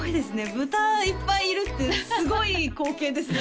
ブタいっぱいいるってすごい光景ですね